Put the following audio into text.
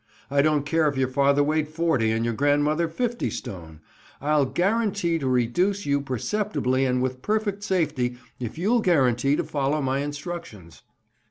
I don't care if your father weighed forty and your grandmother fifty stone; I'll GUARANTEE to REDUCE you perceptibly and with PERFECT SAFETY if you'll guarantee to follow my instructions."